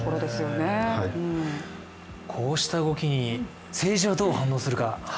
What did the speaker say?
こうした動きに政治はどう反応するか。